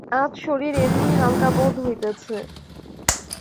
আজ শরীর এমনি হালকা বোধ হইতেছে!